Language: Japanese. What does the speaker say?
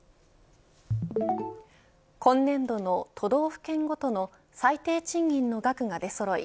今年度の都道府県ごとの最低賃金の額が出そろい